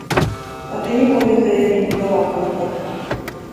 А ты ніколі за яе не была, калі гэтак.